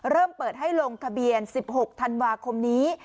เริ่มเปิดให้ลงทะเบียน๑๖ธันวาคมนี้